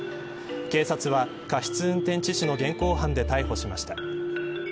警察は過失運転致死の現行犯で逮捕しました。